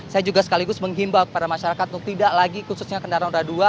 saya juga sekaligus menghimbau kepada masyarakat untuk tidak lagi khususnya kendaraan roda dua